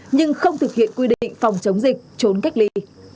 nhưng không thực hiện quy định phòng chống dịch trốn cách ly